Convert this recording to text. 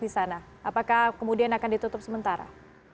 di sana apakah kemudian akan ditutup sementara